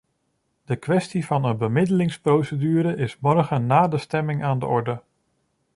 De kwestie van een bemiddelingsprocedure is morgen na de stemming aan de orde.